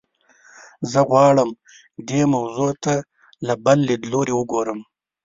زه غواړم دې موضوع ته له بل لیدلوري وګورم.